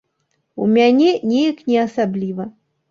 У мяне неяк не асабліва.